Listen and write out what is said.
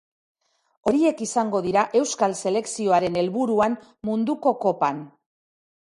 Horiek izango dira euskal selekzioaren helburuan munduko kopan.